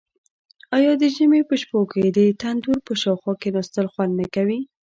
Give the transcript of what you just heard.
آیا د ژمي په شپو کې د تندور په شاوخوا کیناستل خوند نه کوي؟